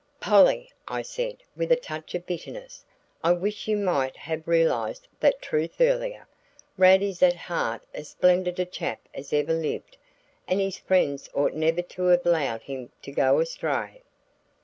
"Polly," I said with a touch of bitterness, "I wish you might have realized that truth earlier. Rad is at heart as splendid a chap as ever lived, and his friends ought never to have allowed him to go astray."